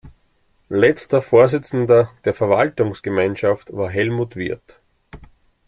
Letzter Vorsitzender der Verwaltungsgemeinschaft war Helmut Wirth.